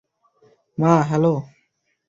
মা, হ্যালো।